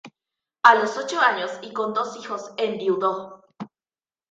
A los ocho años y con dos hijos enviudó.